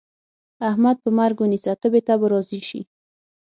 احمد په مرګ ونيسه؛ تبې ته به راضي شي.